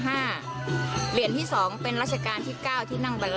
เหรียญที่๒เป็นรัชกาลที่๙ที่นั่งไปแล้ว